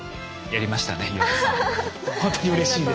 やりましたね。